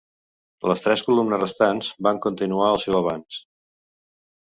Les tres columnes restants van continuar el seu avanç.